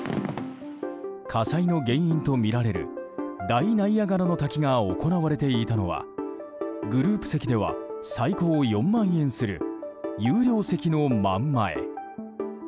火災の原因とみられる大ナイアガラの滝が行われていたのはグループ席では最高４万円する有料席の真ん前。